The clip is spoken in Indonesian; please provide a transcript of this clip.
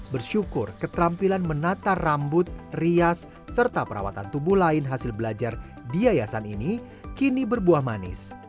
bersyukur keterampilan menata rambut rias serta perawatan tubuh lain hasil belajar di yayasan ini kini berbuah manis